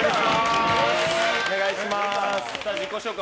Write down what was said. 自己紹介